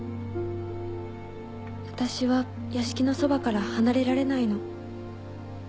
あたしは屋敷のそばから離れられないの。